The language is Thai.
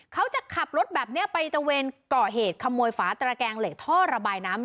เขาจะขับรถแบบนี้ไปตะเวนก่อเหตุขโมยฝาตระแกงเหล็กท่อระบายน้ำ